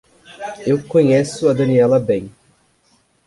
Eu conheço a Daniela bem.